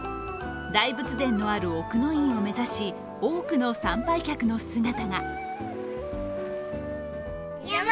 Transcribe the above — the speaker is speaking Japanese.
大仏殿のある奥の院を目指し多くの参拝客の姿が。